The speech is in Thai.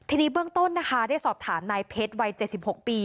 ทีนี้เบื้องต้นนะคะได้สอบถามนายเพชรวัย๗๖ปี